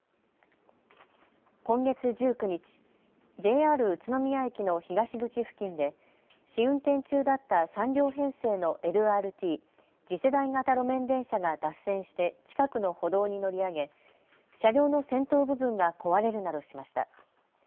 今月１９日、ＪＲ宇都宮駅の東口付近で試運転中だった３両編成のＬＲＴ・次世代型路面電車が脱線して近くの歩道に乗り上げ車両の先頭部分が壊れるなどしました。